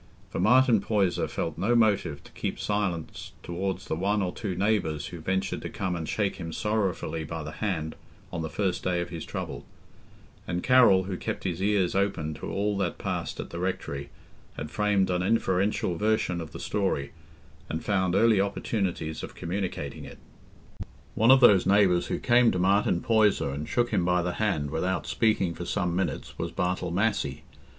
For Martin Poyser felt no motive to keep silence towards the one or two neighbours who ventured to come and shake him sorrowfully by the hand on the first day of his trouble; and Carroll, who kept his ears open to all that passed at the rectory, had framed an inferential version of the story, and found early opportunities of communicating it. One of those neighbours who came to Martin Poyser and shook him by the hand without speaking for some minutes was Bartle Massey.